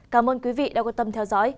cảm ơn quý vị đã quan tâm theo dõi